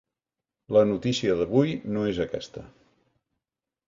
La notícia d’avui no és aquesta.